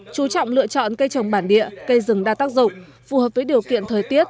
chú trọng lựa chọn cây trồng bản địa cây rừng đa tác dụng phù hợp với điều kiện thời tiết